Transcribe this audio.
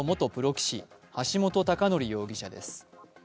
棋士橋本崇載容疑者です。